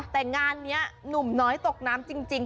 แต่งานนี้หนุ่มน้อยตกน้ำจริง